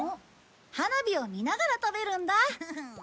花火を見ながら食べるんだ。